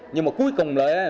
nhưng mà cuối cùng là